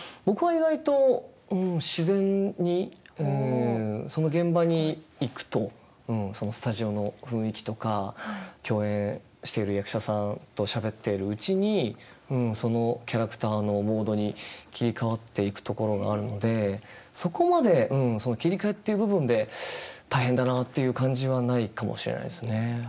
僕は意外と自然にその現場に行くとそのスタジオの雰囲気とか共演している役者さんとしゃべっているうちにそのキャラクターのモードに切り替わっていくところがあるのでそこまで切り替えっていう部分で大変だなっていう感じはないかもしれないですね。